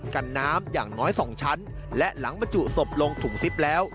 กันน้ำอย่างน้อย๒ชั้นและหลังบรรจุศพลงถุงซิปแล้ว